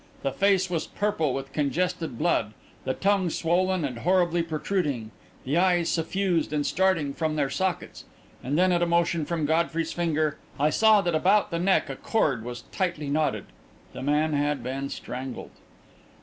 The face was purple with congested blood, the tongue swollen and horribly protruding, the eyes suffused and starting from their sockets. And then, at a motion from Godfrey's finger, I saw that about the neck a cord was tightly knotted. The man had been strangled.